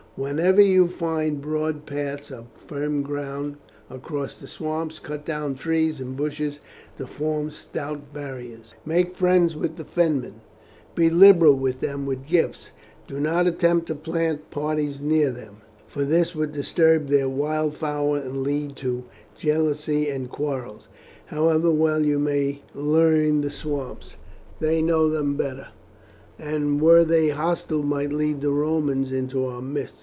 Whenever you find broad paths of firm ground across the swamps, cut down trees and bushes to form stout barriers. "Make friends with the Fenmen. Be liberal to them with gifts, and do not attempt to plant parties near them, for this would disturb their wildfowl and lead to jealousy and quarrels. However well you may learn the swamps, they know them better, and were they hostile might lead the Romans into our midst.